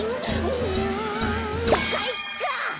うんかいか！